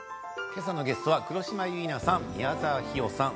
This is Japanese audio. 今朝のゲストは黒島結菜さん、宮沢氷魚さん